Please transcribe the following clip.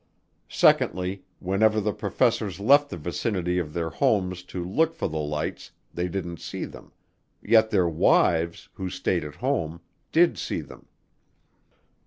Secondly, whenever the professors left the vicinity of their homes to look for the lights they didn't see them, yet their wives, who stayed at home, did see them.